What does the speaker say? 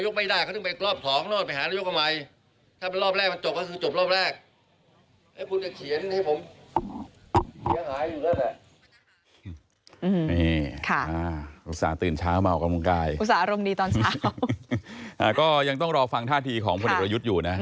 ก็ยังต้องรอฟังท่าทีของพลเอกประยุทธ์อยู่นะ